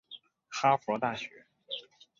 哈佛大学政治学硕士。